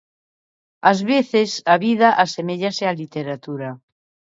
Ás veces a vida aseméllase á literatura.